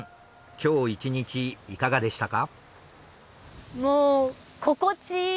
今日１日いかがでしたか？